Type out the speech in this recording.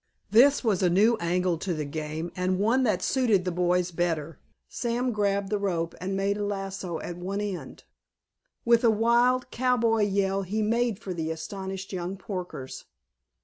This was a new angle to the game, and one that suited the boys better. Sam grabbed the rope and made a lasso at one end. With a wild cowboy yell he made for the astonished young porkers.